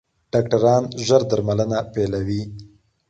ډاکټران ژر درملنه پیلوي.